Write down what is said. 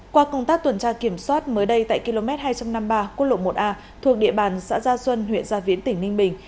qua công tác tuần tra kiểm soát mới đây tại km hai trăm năm mươi ba quốc lộ một a thuộc địa bàn xã gia xuân huyện gia viễn tỉnh ninh bình